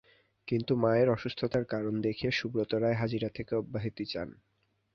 কিন্তু মায়ের অসুস্থতার কারণ দেখিয়ে সুব্রত রায় হাজিরা থেকে অব্যাহতি চান।